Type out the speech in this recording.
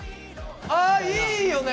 あいいよね！